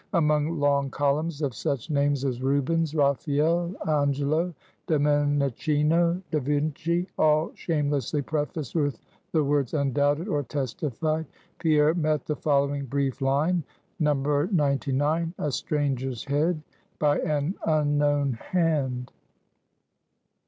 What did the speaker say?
Among long columns of such names as Rubens, Raphael, Angelo, Domenichino, Da Vinci, all shamelessly prefaced with the words "undoubted," or "testified," Pierre met the following brief line: "_No. 99. A stranger's head, by an unknown hand.